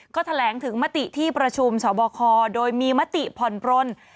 ก็แถลงถึงมติที่ประชุมสบคโดยมีมติผ่อนปลน